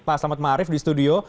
pak selamat ma'arif di studio